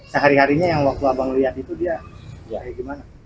sehari harinya yang waktu abang lihat itu dia wah ya gimana